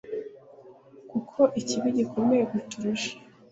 kuko ikibi gikomeye kuturusha